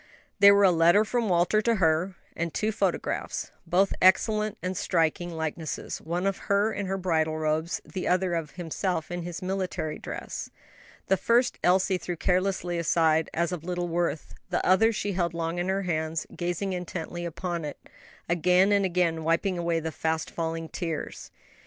They were a letter from Walter to her, and two photographs both excellent and striking likenesses; one of her in her bridal robes, the other of himself in his military dress. The first Elsie threw carelessly aside, as of little worth; the other she held long in her hands; gazing intently upon it, again and again wiping away the fast falling tears.